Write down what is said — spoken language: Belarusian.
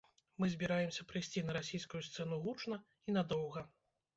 Мы збіраемся прыйсці на расійскую сцэну гучна і надоўга.